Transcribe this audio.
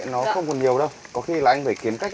nó không còn nhiều đâu có khi là anh phải kiếm cách